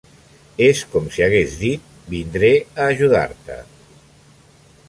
És com si hagués dit, "Vindré a ajudar-te".